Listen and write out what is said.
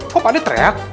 kok pak ade teriak